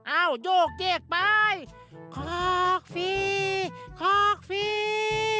เอ้ายกเจกไปคอกฟรีคอกฟรี